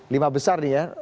lima besar nih ya